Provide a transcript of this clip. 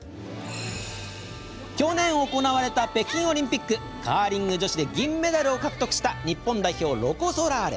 去年行われた、北京オリンピックカーリング女子で銀メダルを獲得した日本代表、ロコ・ソラーレ。